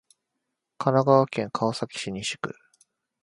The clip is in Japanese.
神奈川県川崎市西区